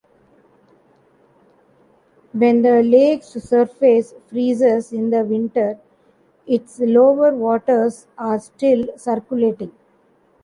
When the lake's surface freezes in the winter, its lower waters are still circulating.